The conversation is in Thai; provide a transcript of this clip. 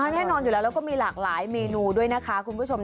แน่นอนอยู่แล้วแล้วก็มีหลากหลายเมนูด้วยนะคะคุณผู้ชม